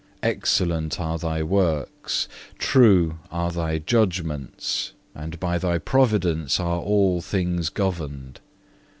Excellent are Thy works, true are Thy judgments, and by Thy Providence are all things governed.